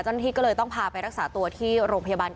เจ้าพิษก็เลยต้องพาไปรักษาตัวที่โรงพยาบาลก่อน